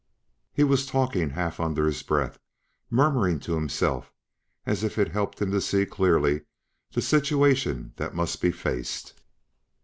He was talking half under his breath, murmuring to himself as if it helped him to see clearly the situation that must be faced.